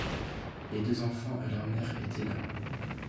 Les deux enfants et leur mère étaient là.